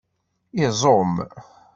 Iẓum